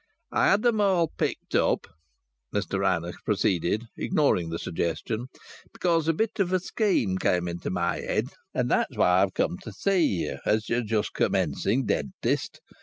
"I had 'em all picked up," Mr Rannoch proceeded, ignoring the suggestion. "Because a bit of a scheme came into my head. And that's why I've come to you, as you're just commencing dentist.